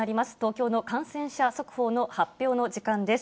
きょうの感染者速報の発表の時間です。